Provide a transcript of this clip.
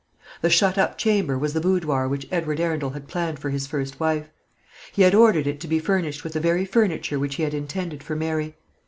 The shut up chamber was the boudoir which Edward Arundel had planned for his first wife. He had ordered it to be furnished with the very furniture which he had intended for Mary.